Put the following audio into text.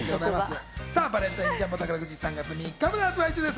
バレンタインジャンボ宝くじは３月３日まで発売中です。